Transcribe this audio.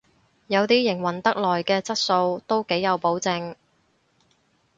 有啲營運得耐嘅質素都幾有保證